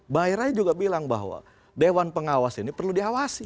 bay rai juga bilang bahwa dewan pengawas ini perlu diawasi